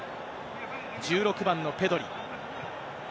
１６番のペドリ。